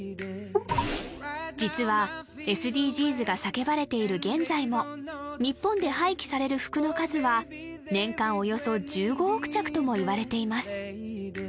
実はＳＤＧｓが叫ばれている現在も日本で廃棄される服の数は年間およそ１５億着ともいわれています